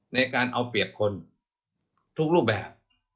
ในการเอาเปรียบคนทุกรูปแบบ